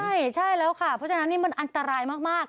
ใช่ใช่แล้วค่ะเพราะฉะนั้นนี่มันอันตรายมาก